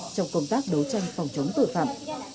trong công tác đấu tranh phòng chống tội phạm